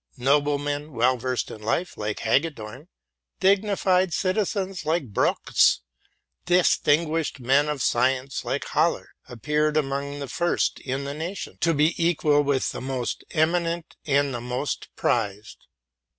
Noblemen well versed in life, like Hagedorn ; dignified citizens, like Brockes ; distinguished men of science, like Haller, — appeared among the first in the nation, to be equal with the most eminent and the most prized.